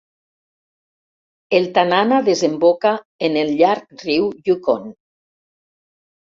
El Tanana desemboca en el llarg riu Yukon.